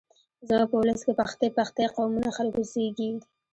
زموږ په ولس کې پښتۍ پښتۍ قومونه خلک اوسېږيږ